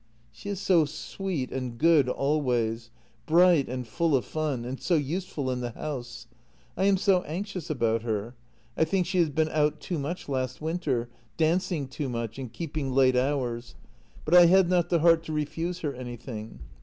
" She is so sweet and good always — bright and full of fun, and so useful in the house. I am so anxious about her; I think she has been out too much last winter, dancing too much, and keeping late hours, but I had not the heart to refuse her anything.